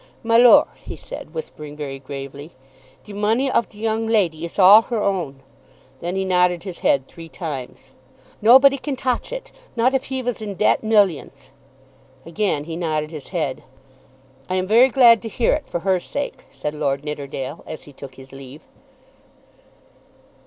"My lor," he said, whispering very gravely, "de money of de yong lady is all her own." Then he nodded his head three times. "Nobody can toch it, not if he vas in debt millions." Again he nodded his head. "I am very glad to hear it for her sake," said Lord Nidderdale as he took his leave.